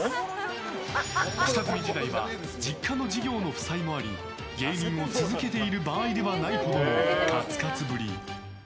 下積み時代は実家の事業の負債もあり芸人を続けている場合ではないほどのカツカツぶり。